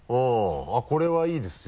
これはいいですよ